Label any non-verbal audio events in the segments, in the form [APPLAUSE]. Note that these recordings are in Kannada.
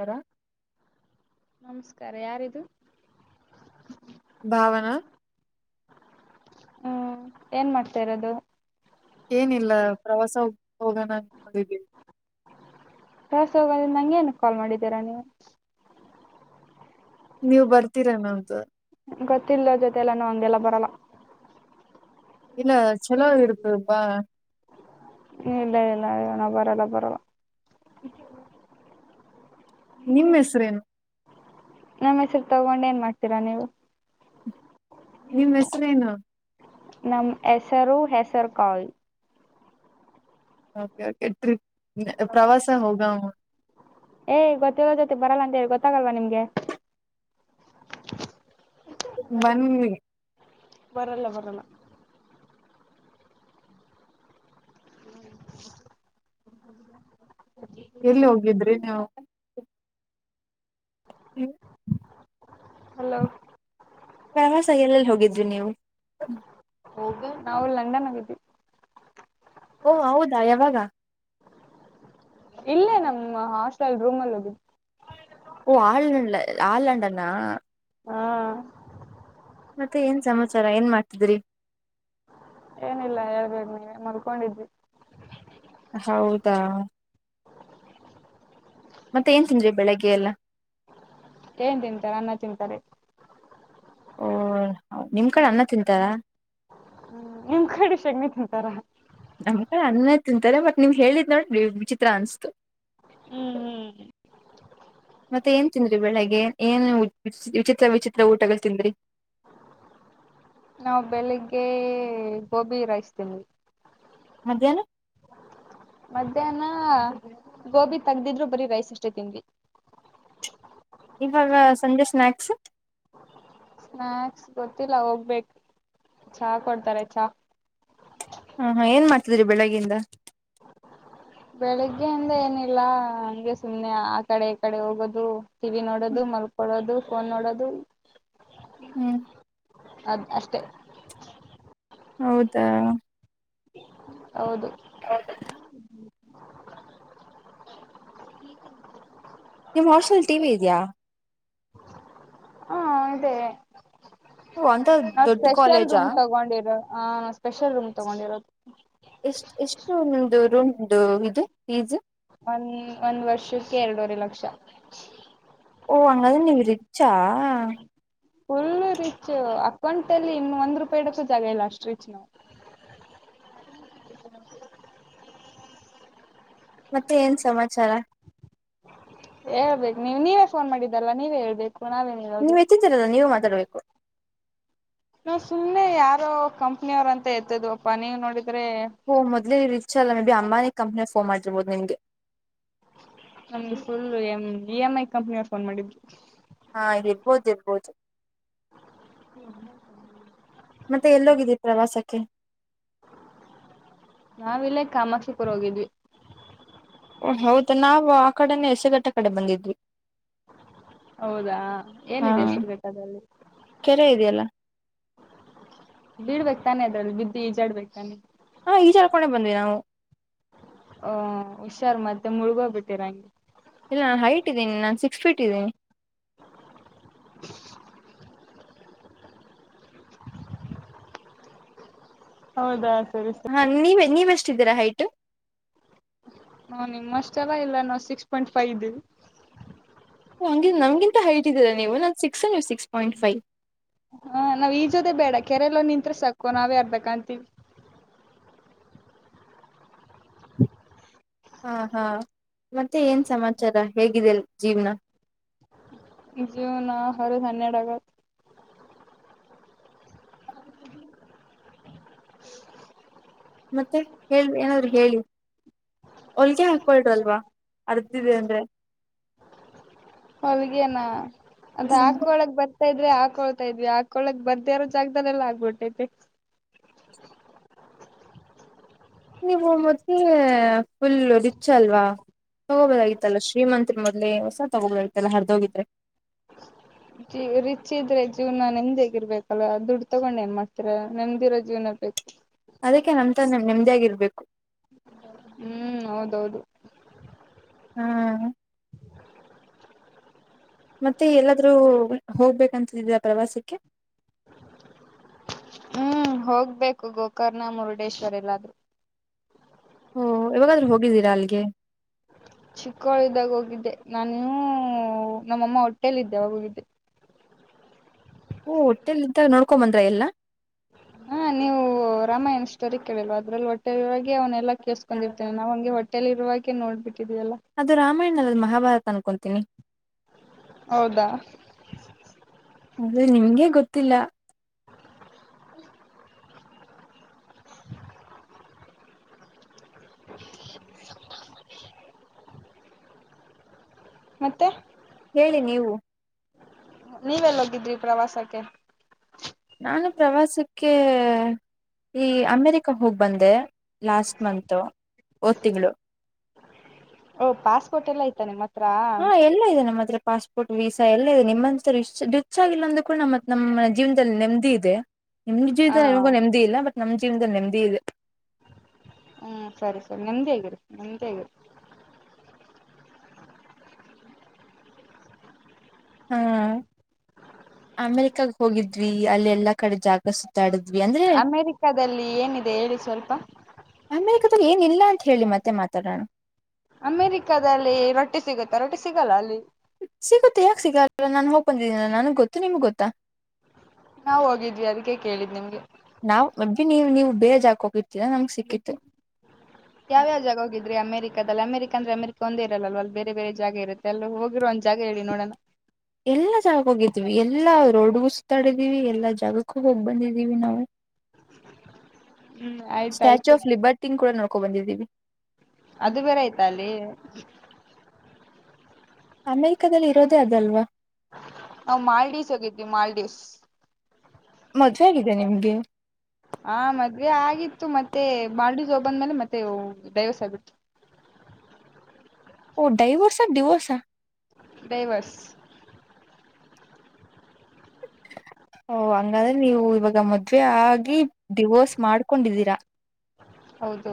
ಯರ ನಮಸ್ಕಾರ ಯಾರಿದು? ಭಾವನಾ ಹ್ಮ್ ಏನ್ ಮಾಡ್ತ ಇರೋದು. ಹೋಗಣ ಬಿ ಬಿ ಎಂ. ಕ್ಲಾಸ್ ಹೋಗೋದ್ ನಂಗೇನ್ ಕಾಲ್ ಮಾಡಿದ್ದೀರ ನೀವು? ನೀವ್ ಬರ್ತೀರೆನೊ ಅಂತ. ಗೊತ್ತಿಲ್ದೋರ್ ಜೊತೆ ಎಲ್ಲ ನಾ ಹಂಗೆಲ್ಲ ಬರಲ್ಲ. ಇಲ್ಲ ಚಲೋ ಇರುತ್ತ್ ಬಾ. ಇಲ್ಲ ಇಲ್ಲ ಇಲ್ಲ ನಾ ಬರಲ್ಲ ಬರಲ್ಲ. ನಿಮ್ಮ್ ಹೆಸ್ರೇನು? ನಮ್ ಹೆಸರು ತಗೊಂಡ್ ಏನ್ ಮಾಡ್ತೀರಾ ನೀವು? ನಿಮ್ಮ್ ಹೆಸರೇನು? ನಮ್ ಹೆಸರು ಹೆಸರು ಕಾಳ್. [UNINTELLIGIBLE] ಪ್ರವಾಸ ಹೋಗವ ಏ ಗೊತ್ತಿಲ್ದೋರ್ ಜೊತೆ ಬರಲ್ಲ ಅಂದೆ ಗೊತ್ತಾಗಲ್ವಾ ನಿಮ್ಗೆ. ಬನ್ನಿ ಬರಲ್ಲ ಬರಲ್ಲ [INAUDIBLE] ಎಲ್ಲಿ ಹೋಗ್ಲಿದ್ರಿ ನೀವು? ಯು ಹಲೋ ಪ್ರವಾಸ ಎಲ್ಲಲ್ಲಿ ಹೋಗಿದ್ರಿ ನೀವು. ಹೋಗೋ ನಾವು ಲಂಡನ್ ಹೊಗಿದ್ವಿ. ಓ ಹೌದಾ ಯಾವಾಗ? ಇಲ್ಲೇ ನಮ್ಮ ಹಾಸ್ಟೆಲ್ ರೂಮ್ ಅಲ್ ಇದೀನಿ. ಓ ಆ ಲಳ್ಲೆ ಆ ಲಂಡನ್ ಆ? ಆ ಮತ್ತೆ ಏನ್ ಸಮಾಚಾರ ಏನ್ ಮಾಡ್ತಿದ್ರಿ. ಏನಿಲ್ಲ ಹೇಳ್ಬೇಕ್ ನೀವೆ ಮಲ್ಕೊಂಡಿದ್ವಿ. ಹೌದಾ ಮತ್ತೆ ಏನ್ ತಿಂದ್ರಿ ಬೆಳಗ್ಗೆ ಎಲ್ಲ. ಏನ್ ತಿಂತಾರೆ ಅನ್ನ ತಿಂತಾರೆ ಓ ಹ ನಿಮ್ ಕಡೆ ಅನ್ನ ತಿಂತಾರ. ಸಗ್ಣಿ ತಿಂತಾರ ನಮ್ ಕಡೆ ಅನ್ನ ತಿಂತಾರೆ ಬಟ್ ನಿಮ್ ಹೇಳಿದ್ ನೋಡ್ ವಿಚಿತ್ರ ಅನ್ಸ್ತು. ಹ್ಮ್ ಹ್ಮ್ ಮತ್ತೆ ಏನ್ ತಿಂದ್ರಿ ಬೆಳ್ಳಿಗ್ಗೆ ಏನು ವಿಚಿತ್ ಚಿತ್ತ ವಿಚಿತ್ರ ಊಟಗಳ್ ತಿಂದ್ರಿ? ನಾವು ಬೆಳಿಗ್ಗೆ ಗೋಬಿ ರೈಸ್ ತಿಂದ್ವಿ. ಮದ್ಯಾನ ಮದ್ಯಾನ ಗೋಬಿ ತೆಗ್ದಿದ್ರು ಬರೀ ರೈಸ್ ಇಷ್ಟೇ ತಿಂದ್ವಿ. ಇವಾಗ ಸಂಜೆ ಸ್ನಾಕ್ಸ್. ಸ್ನಾಕ್ಸ್ ಗೊತ್ತಿಲ್ಲ ಹೋಗ್ಬೇಕು ಚ ಕೊಡ್ತಾರೆ ಚಾ ಹಾ ಹಾ ಏನ್ ಮಾಡ್ತಿದ್ರಿ ಬೆಳಗ್ಗೆಯಿಂದ. ಬೆಳಿಗ್ಗೆಯಿಂದ ಏನಿಲ್ಲ ಹಂಗೆ ಸುಮ್ನೆ ಆ ಕಡೆ ಈ ಕಡೆ ಹೋಗೋದು ಟಿವಿ ನೋಡೋದು ಮಲ್ಕೊಳೋದು ಫೋನ್ ನೋಡೋದು. ಹ್ಮ್ ಅದ್ ಅಷ್ಟೆ ಹೌದಾ ಹೌದು [INAUDIBLE] ನಿಮ್ಮ ಹಾಸ್ಟ್ಲಲ್ ಟಿವಿ ಇದ್ಯಾ ಹ್ಮ್ ಇದೆ ಅಂತ ನಾವು ದೊಡ್ಡ ಸ್ಪೆಷಲ್ ಕಾಲೇಜಾ ರೂಮ್ ತಗೊಂಡಿರೋ ಆ ಸ್ಪೆಷಲ್ ರೂಮ್ ತಗೊಂಡಿರೋದು ಎಷ್ ಎಷ್ಟು ನಿಮ್ದು ರೂಮ್ದು ಇದು ಪಿ ಜಿ ಒಂದ್ ಒಂದ್ ವರ್ಷಕ್ಕೆ ಎರಡೂವರೆ ಲಕ್ಷ. ಓ ಆಂಗಾದ್ರೆ ನೀವ್ ರಿಚ್ಚಾ ಫುಲ್ ರಿಚ್ ಅಕೌಂಟ್ ಅಲ್ಲಿ ಇನ್ನು ಒಂದ್ ರೂಪಾಯಿ ಇಡಕ್ಕು ಜಾಗ ಇಲ್ಲ ಅಷ್ಟ ರಿಚ್ ನಾವು. ಮತ್ತೆ ಏನ್ ಸಮಾಚಾರ. ಹೇಳ್ಬೇಕು ನೀವು ನೀವೇ ಫೋನ್ ಮಾಡಿದ್ದಲ್ಲ ನೀವೇ ಹೇಳ್ಬೇ ನೀವ್ ಹೆಚ್ಚಿದ್ದೀರಲ್ಲ ನೀವು ಮಾತಾಡ್ಬೇಕು. ನಾ ಸುಮ್ಮನೆ ಯಾರೋ ಕಂಪ್ನಿ ಅವ್ರು ಅಂತ ಎತ್ತಿದ್ವಪ್ಪಾ ನೀವ್ ನೋಡಿದ್ ಹ ಮೊದಲೆ ಇವ್ ರೀಚಲ್ಲ ಮೇ ಬಿ ಅಂಬಾನಿ ಕಂಪ್ನಿಸ್ ಮಾಡಿರ್ಬೋದು ನಿಮ್ಗೆ. ನಮ್ದ ಫುಲ್ ಎಮ ಇ ಎಮ್ ಐ ಕಂಪನಿಯವ್ರು ಫೋನ್ ಮಾಡಿದ್ರು. ಹಾ ಇರ್ಬೋದ್ ಇರ್ಬೋದು. ಮತ್ತೆ ಎಲ್ಲೋಗಿದ್ರಿ ಪ್ರವಾಸಕ್ ಕ್ಕೆ ನಾವಿಲ್ಲೇ ಕಾಮಾಕ್ಷಿಪುರ್ ಹೊಗಿದ್ವಿ. ಹೌದ ನಾವು ಆ ಕಡೆನೆ ಹೆಸರುಘಟ್ಟ ಕಡೆ ಬಂದಿದ್ವಿ. ಹೌದಾ ಹಾ ಏನಿದೆ ಹೆಸರ್ಘಟ್ಟದಲ್ಲಿ. ಕೆರೆ ಇದೆಯಲ್ಲ ಬಿಡ್ಬೇಕ್ ತಾನೆ ಅದ್ರಲ್ ಬಿದ್ ಈಜಾಡ್ಬೇಕ್ ತಾನೆ. ಹಾ ಈಜಾಡ್ಕೊಂಡೆ ಬಂದ್ವಿ ನಾವು ಆ ಹುಷಾರ್ ಮತ್ತೆ ಮುಳ್ಗೋಗ್ಬಿಟ್ಟಿರ ಹಂಗೆ ಇಲ್ಲ ನಾನು ಹೈಟ್ ಇದ್ದೀನಿ ನಾನ್ ಸಿಕ್ಸ್ ಫೀಟ್ ಇದ್ದೀನಿ. [INAUDIBLE] ಹೌದಾ ಸರಿ ಸರಿ ಹಾ ನೀವೆ ನೀವೆಷ್ಟಿದ್ದೀರಾ ಹೈಟ್? ನಾವ್ ನಿಮ್ಮಷ್ಟೆಲ್ಲ ಇಲ್ಲ ನಾವು ಸಿಕ್ಸ್ ಪಾಯಿಂಟ್ ಫೈವ್ ಇದಿವಿ. ನೀವ್ ನಮ್ಗಿಂತ ಹೈಟ್ ಇದೀರಾ ನೀವು ನನ್ ಸಿಕ್ಸ್ ನೀವು ಸಿಕ್ಸ್ ಪಾಯಿಂಟ್ ಫೈ. ಕೆರೆಲಾಗ್ ನಿತ್ರೆ ಸಾಕು ನಾವೇ ಅರ್ಧ ಕಾಣ್ತೀವಿ. ಹಾ ಹಾ ಮತ್ತೆ ಏನ್ ಸಮಾಚಾರ ಹೇಗಿದೆ ಅಲ್ ಜೀವ್ನ. ಈ ಜಿವ್ನ ಹರದ್ ಹನ್ನೆರಡ್ ಆಗೈತ್ [INAUDIBLE] ಮತ್ತೆ ಹೇಳ್ ಏನಾದ್ರು ಹೇಳಿ ಹೊಲ್ಗೆ ಹಾಕ್ಬೋದ್ ಅಲ್ವಾ ಹರ್ಧಿದೆ ಅಂದ್ರೆ. ಅದ ಹಾಕೊಳಕ್ ಬರ್ ಆತ ಇದ್ರೆ ಹಾಕೊಳ್ತಾ ಇದ್ವಿ ಹಾಕೊಳಕ್ ಬರ್ದೆ ಇರೋ ಜಾಗದಲ್ಲೆಲ್ಲ ಆಗ್ಬಿಟ್ಟೈತೆ. ನೀವು ಮದ್ಲೇ ಫುಲ್ ರಿಚ್ ಅಲ್ವ. ಹೋಬೋದಾಗಿತ್ತಲ್ಲ ಶ್ರೀಮಂತ್ರ್ ಮೊದಲೇ ನೀವ್ ಸಪ್ ತಗೋಬೋದಾಗಿತ್ತಲ ಹರ್ದೋಗಿದ್ರೆ. ರಿಚ್ ಇದ್ರೆ ಜೀವನ ನೆಮ್ದಗಿರ್ಬೇಕಲ್ಲ ದುಡ್ಡು ತಗೊಂಡ ಏನ್ ಮಾಡ್ತೀರ ನೆಮ್ಮದಿ ಇರೋ ಜೀವನ ಬೇಕು ಅದಕ್ಕೆ ನಮ ತ ನಿಮ್ದೇಾಗಿ ಇರ್ಬೇಕು ಹ್ಮ್ ಹೌದೌದು ಹ್ಮ್ ಮತ್ತೆ ಎಲ್ಲಾದ್ರೂ ಹೋಗ್ಬೇಕಂತಿದ್ದರಾ ಪ್ರವಾಸಕ್ಕೆ ಹ್ಮ್ ಹೋಗ್ಬೇಕು ಗೋಕರ್ಣ ಮುರುಡೇಶ್ವರ್ ಎಲ್ಲಾದ್ರೂ ಹಓ ಇವಾಗಾದ್ರೂ ಹೋಗಿದ್ದೀರಾ ಅಲ್ಲಿಗೆ ನಾನೂ ನಮ್ಮಮ್ಮ ಹೊಟ್ಟೇಲ್ಲಿದ್ದೆವ ಹಗಿದ್ದೆ ಹಓ ಹೊಟ್ಟೆಲ್ ಇದ್ದಾಗ ನೋಡ್ಕೊ ಬಂದ್ರ ಎಲ್ಲಾ ಹಾ ನೀವು ರಾಮಾಯಣ ಸ್ಟೋರಿ ಕೇಳಲ್ವಾ ಅದ್ರಲ್ಲಿ ಒಟ್ಟೆವಳಗೆ ಅವನೆಲ್ಲ ಕೆಸ್ಕೊಂಡಿರ್ತೇ ನಾ ಹಂಗೆಟ್ಟ ಎಲ್ಲಿ ಇವಾಗೆ ನೋಡ್ಬಿಟ್ ಅದು ರಾಮಾಯಣ ಅಲ್ಲ ಮಹಾಭಾರತ ಅನ್ಕೊಂತೀನಿ. ಹೌದಾ ಅದು ನಿಮ್ಗೆ ಗೊತ್ತಿಲ್ಲ. [INAUDIBLE] ಮತ್ತೆ ಹೇಳಿ ನೀವು ನೀವೆಲ್ಲ ಗಿದ್ರಿ ಪ್ರವಾಸಕ್ಕೆ. ನಾನು ಪ್ರವಾಸಕ್ಕೆ ಈ ಅಮೇರಿಕ ಹೋಗಿ ಬಂದೆ ಲಾಸ್ಟ್ ಮತ್ ಹೋದ್ ತಿಂಗಳು. ಓಹ ಪಾಸ್ಪೋರ್ಟ್ ಎಲ್ಲ ಇಐತಾನೆ ಮತ್ ಹಾ ಎಲ್ಲಾ ಇದೆ ನಮ್ಮತ್ರ್ರೆ. ಪಾಸ್ಪೋರ್ಟ್ ವೀಸಾ ಎಲ್ಲ ಇದೆ ನಿಮ್ಮಂತಸ ಚ್ಚ ಆಾಗಿಲ್ಲ ಅಂದ್ರ ಕೂಡ ಮತ್ ನಮ್ಮ ಜೀವನದಲ್ಲಿ ನೆಮ್ಮದಿ ಇದೆ. ನಿಮ್ ಜ ಹ ನಿಮಗೂ ನೆಮ್ದಿ ಇಲ್ಲ ಬಟ್ ನಮ್ ಚಂತ ನೆಮ್ಮದಿ ಇಿದೆ ಹ್ಮ್ ಸರಿ ಸರಿ ನೆಮದಿ ಆಗಿರಿ ನೆಮದಿ ಆಗಿರಿ ಹಾ ಅಮೆರಿಕಾಗ ಹೋಗಿದ್ ವಿ ಅಲ್ಲಿ ಎಲ್ಲಾ ಕಡೆ ಜಾಗ ಸುತ್ತಾಡುದವಿ ಅಮೇರಿಕದಲ್ಲಿ ಏನಿದೆ ಹೇಳಿ ಸ್ವಲ್ಪ ಅಮೆರಿಕದಾಗ ಏನ್ ಇಲ್ಲ ಅಂತ ಹೇಳಿ ಮತ್ತೆ ಮಾತಾಡೋಣ ಅಮೇರಿಕದಲ್ಲಿ ರೊಟ್ಟಿ ಸಿಗುತ್ತೆ. ಪರಟಿ ಸಿಗಲ್ಲ ಅಲ್ಲಿ. ಸಿಗೆ ಯಾಕ್ ಸಿಗ ನಾನ್ ಹೋಗ್ ಬಂದಿದ್ದೀನ ನನಗ್ ಗೊತ್ತು ನಿಮ್ಗ್ ಗೊತ್ತಾ ನಾ ಹೋಗಿದ್ವಿ ಅದಕ್ಕೆ ಕೇಳಿದ್ ನಿಮ್ಗೆ ಬೇಜ್ ಆಕ ಹೋಗಿರ್ತರ ನಮ್ಗ್ ಸಿಕ್ಕಿತ್ತು ಯಾವ ಯಾವ ಜಾಗ ಹೋಗಿದ್ರಿ ಅಮೆರಿಕದಲ್ಲಿ ಅಮೆರಿಕ. ಯಾಕಂದ್ರೆ ಅಮೆರಿಕ ಒಂದ ಇರಲ್ಲಲ್ ಅಲ್ಲಿ ಬೇರೆ ಬೇರೆ ಜಾಗ ಇರುತ್ತೆ ಅಲ್ಲಿ ಹೋಗಿರೋ ಒಂದ ಜಾಗ ಹೇಳಿ ನೋಡೋಣ ಎಲ್ಲಾ ಜಾಗಕ್ಕೆ ಹೋಗಿದ್ವಿ ಎಲ್ಲಾ ರೋಡ್ಗೂ ಸುತ್ತಾಡಿದೀವಿ ಎಲ್ಲಾ ಜಾಗಕ್ಕ ಹೋಗ್ ಬಂದಿದೀವಿ ನಾವು ಹ್ಮ್ ಸ್ಟಾಚು ಆಯ್ತಾಯ್ತು ಆಫ್ ಲಿಬರ್ಟಿ ಕೂಡ ನೋ. ಕೊ ಬಂದಿದ್ದೀವಿ. ಅದು ಬೇರೆ ಐತ ಅಲ್ಲಿ. ಅಮೆರಿಕದಲ್ ಇರೋದೇ ಅದಲ್ವಾ. ಹಾ ಮಾಲ್ಡಿವ್ಸ್ ಹೋಗಿದ್ವಿ ಮಾಲ್ಡಿವ್ಸ್. ಮದ್ವೆ ಆಗಿದೆ ನಿಮ್ಗೆ ಹಾ ಮದ್ವೆ ಆಗಿತ್ತು ಮ ಮತ್ತೆ ಮಾಲ್ಡೀವ್ಸ್ ಹೊಬಂದ್ ಮೇಲೆ ಮತ್ತೆ ಡೈವರ್ಸ್ ಆಗ್ಬಿಡ್ತು. ಓ ಡೈವೋರ್ಸಾ ಡಿವೋರ್ಸಾ? ಡೈವರ್ಸ್ ಓ ಹಂಗಾದ್ರೆ ನೀವು ಇವಾಗ ಮದ್ವೆ ಆಗಿ ಡಿವೋರ್ಸ್ ಮಾಡ್ಕೊಂಡಿದ್ದೀರ. ಹೌದು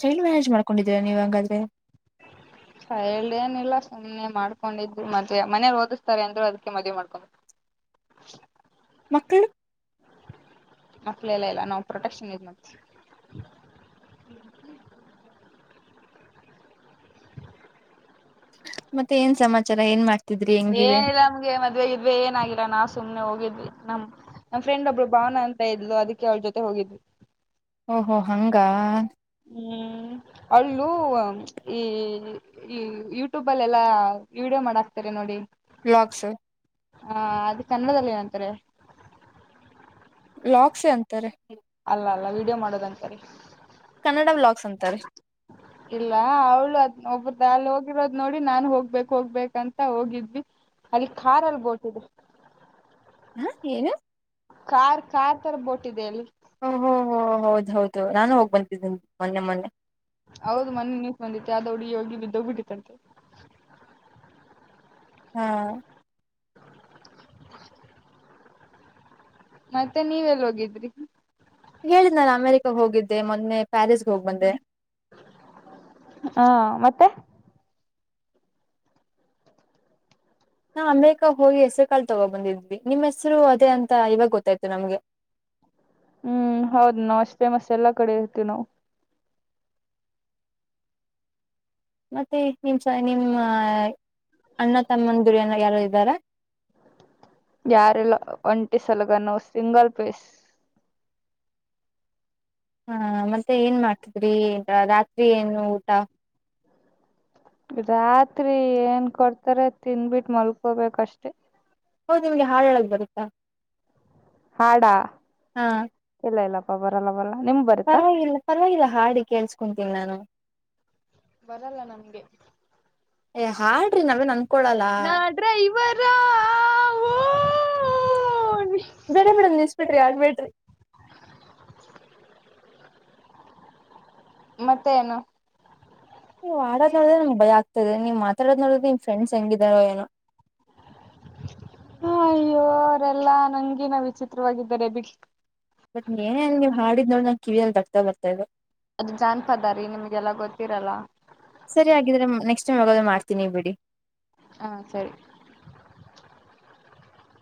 ಚೈಲ್ಡ್ ಮ್ಯಾರೇಜ್ ಮಾಡ್ಕೊಂಡಿದ್ದೀರಾ ನೀವ್ ಹಂಗದ್ರೆ ಹೇಳೇನಿಲ್ಲ ಸುಮ್ಮ್ನೆ ಮಾಡ್ಕೊಂಡಿದ್ದು ಮದ್ವೆ ಮನೇಲಿ ಓದಿಸ್ತಾರೆ ಅಂದ್ರು ಅದಕ್ಕೆ ಮದ್ವೆ ಮಾಡ್ಕೊಂಡ್ವಿ ಮಕ್ಳು ಮಕ್ಕಳ ಎಲ್ಲ ಎಲ್ಲ ನಾವು ಪ್ರೊಟೆಕ್ಷನ್ ಯೂಸ್ ಮಾಡ್ತೀವಿ [UNINTELLIGIBLE] ಮತ್ತೆ ಏನ್ ಸಮಾಚಾರ ಏನ್ ಮಾಡ್ ಏನಿಲ್ಲ ನಮ್ಗೆ ಮದ್ವೆ ಗಿದ್ವೆ ಏನಾಗಿಲ ನಾ ಸುಮ್ನೆ ಹೋಗಿದ್ ದ್ವಿ ನಮ್ ನಮ್ ಫ್ರೆಂಡ್ ಒಬ್ರು ಬಾನು ಅಂತ ಇದ್ಲು ಅದಕೆ ಅವ್ಳ ಜೊತೆ ಹೋಗಿದ್ವಿ. ಓಹೋ ಹಂಗ ಹ್ಮ್ ಅವ್ಳು ಈ ಈ ಯೂಟ್ಯೂಬಲ್ ಎಲ್ಲಾ ವಿಡಿಯೋ ಮಾಡಾಕ್ತಾರೆ ನೋಡಿ ಹ್ಮ್ ಬ್ಲಾಗ್ಸ್ ಹಾ ಅದ ಕನ್ನಡದಲ್ಲಿ ಏನಂತರೆ ವ್ಲಾಗ್ಸ್ ಅಂತರೆ ಅಲ್ಲ ವೀಡಿಯೋ ಮಾಡೋದಂತರೆ ಕನ್ನಡ ವ್ಲಾಗ್ಸ್ ಅಂತಾರೆ [UNINTELLIGIBLE] ಇಲ್ಲ ಅವಳು ಅದ್ ನೋಡ್ ಬಿಟ್ ಬಾ ಹೋಗಿರೋದು ನೋಡಿ ನಾನು ಹೋಗ್ಬೇಕ್ ಹೋಗ್ಬೇಕಂತ ಹೋಗಿದ್ವಿ ಅಲ್ಲಿ ಕಾರಲ್ಲಿ ಬೋಟಿದೆ. ಹ ಏನು ಕಾರ್ ಕಾರ್ ತರ ಬೋಟ್ ಇದೆ ಅಲ್ಲಿ. ಓ ಹೊ ಹೋ ಹೌದ್ ಹೌದು ನಾನು ಹೋಗ್ ಬಂದಿದೀನಿ ಮೊನ್ನೆ ಮೊನ್ನೆ ಹೌದು ಮನ್ನಿ ನ್ಯೂಸ್ ಬಂದಿತ್ ಯ ದೊಡಿ ಯೋಗಿ ಬಿದ್ದೋಗ ಬಿಟ್ಟಿತಂತೆ ಹ ಮತ್ತೆ ನೀವ್ ಎಲ್ ಹೋಗಿದ್ರಿ ಹೇಳಿದ್ನಲ ಅಮೆರಿಕಾಗ ಹೋಗಿದ್ ದ್ದೇ ಮೊನ್ನೆ ಪ್ಯಾರಿಸ್ಗೆ ಹೋಗ್ ಬಂದೆ [UNINTELLIGIBLE] ಹಾ ಮತ್ತೆ ನಾ ಅಮೇರಿಕ ಹೋಗಿ ಹೆಸರು ಕಾಲ್ ತಗೊಂಡ ಬಂದಿದ್ವಿ ನಿಮ್ ಹೆಸರು ಅದೇ ಅಂತ ಇವಾಗ ಗೊತ್ತಾಯ್ತು ನಮ್ಗೆ. ಹ್ಮ್ ಹೌದ ನಾವು ಅಷ್ ಫೇಮಸ್ ಎಲ್ಲಾ ಕಡೆ ಇರ್ತೀವ್ ನಾವು. ಮತ್ತೆ ನಿಮಸ ನಿಮ್ [UNINTELLIGIBLE] ಅಣ್ಣ ತಮ್ಮಂದೂರು ಯಾರಾದ್ರು ಇದರ ಯಾರಿಲ್ಲ ಒಂಟಿ ಸಲಗ ನಾವ್ ಸಿಂಗಲ್ ಪೀಸ್. ಹ ಮತ್ತೆ ಏನ್ ಮಾಡ್ತಿದ್ರಿ ರಾತ್ರಿ ಏನು ಊಟ ರಾತ್ರಿ ಏನ್ ಕೊಡ್ತಾರೆ ತಿನ್ಬಿಟ್ಟು ಮಲ್ಕೋಬೇಕಷ್ಟೇ ಹೌದು ನಿಮ್ಗೆ ಹಾಡ್ ಹೇಳಕ್ ಬರುತ್ತ ಹಾಡ ಎಲ್ಲ ಎಲ್ಲ ಕಬ್ರಲ್ಲಲ್ಲ [INAUDIBLE] ಪರವಾಗಿಲ್ಲ ಪರವಾಗಿಲ್ಲ ಹಾಡಿ ಕೇಳ್ಸ್ಕೊಂತೀನಿ ನಾನು ಬರಲ್ಲ ನಮ್ಗೆ ಏ ಹಾಡ್ರಿ ನಾವೇನ್ ಅನ್ಕೊಳಲ್ಲ. ನಾ ಡ್ರೈವರ ಓ ಬಡ ಬಿಡ ನ್ಯೂಸ್ಪೇಟರಿ ಯಡ್ ವೇಟರಿ. ಮತ್ತೆ ಏನು ನೀ್ ಆಡದ್ ನೋಡ್ರೆ ನಮ್ಗೆ ಭಯ ಆಗ್ತದೆ ನೀವು ಮಾತಾಡೋ್ ನೋಡಿದ್ರೆ ನಿ್ ಫ್ರೆಂಡ್ಸ್ ಹೆಂಗಿದಾರೋ ಏನೋ ಹಾ ಅಯ್ಯೋ ಅವರೆಲ್ಲಾ ನಂಗಗ ನ ವಿಚಿತ್ರವಾಗಿದ್ದಾರೆ ಬಿಟ್ಟ. ಬಟ್ ನೀಏನೇನ್ ನೀವು ಹಾಡಿದ ನೋ ನ ಕಿವಿಯಲ್ಲಿ ದಕ್ತಾ ಬರ್ತಾದೆ. ಅದ ಜಾನ್ಪದಾರಿೀ ನಿಮ್ಗೆಲ್ಲ ಗೊತ್ತಿರಲ್ಲ. ಸರಿ ಹಾಗಿದ್ರೆ ನೆಕ್ಸ್ಟ್ ಟೈಮ್ ಹೋಗೋದು ಮಾಡ್ತೀನಿ ಬಿಡಿ ಹ ಸರಿ